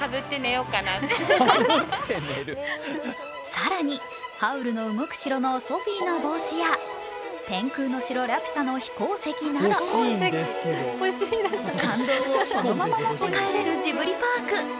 更に「ハウルの動く城」のソフィーの帽子や「天空の城ラピュタ」の飛行石など、感動をそのまま持って帰れるジブリパーク。